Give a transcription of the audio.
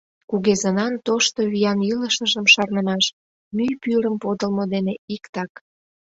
Кугезынан тошто виян илышыжым шарнымаш — мӱй пӱрым подылмо дене иктак.